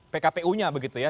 pkpu nya begitu ya